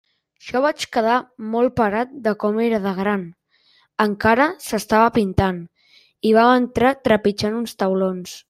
Jo vaig quedar molt parat de com era de gran; encara s'estava pintant, i vam entrar trepitjant uns taulons.